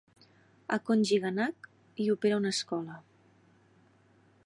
A Kongiganak hi opera una escola.